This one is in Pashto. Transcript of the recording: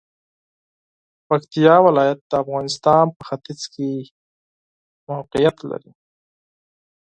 پکتیا ولایت د افغانستان په ختیځ کې موقعیت لري.